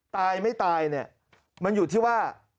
ตายไม่ตายเนี่ยมันอยู่ที่ว่า